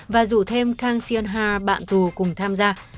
và rủ thêm kang sion ha bạn tù cùng tham gia